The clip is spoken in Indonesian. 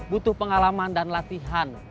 butuh pengalaman dan latihan